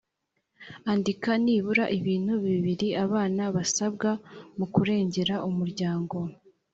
andika nibura ibintu bibiri abana basabwa mu kurengera umuryango